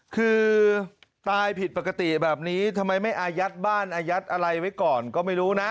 คือตายผิดปกติแบบนี้ทำไมไม่อายัดบ้านอายัดอะไรไว้ก่อนก็ไม่รู้นะ